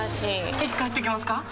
いつ帰ってきますか？